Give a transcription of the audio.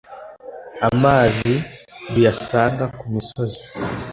Amazi duyasanga ku misozi,